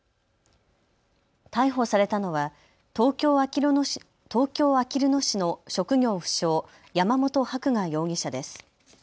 逮捕されたのは東京あきる野市の職業不詳、山本伯画容疑者です。